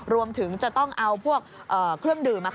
รวมถึงจะต้องเอาพวกเครื่องดื่ม